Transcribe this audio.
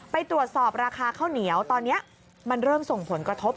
ไปตรวจสอบราคาข้าวเหนียวตอนนี้มันเริ่มส่งผลกระทบ